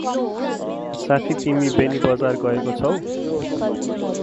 साथी तिमी बेनी बजार गएको छौ?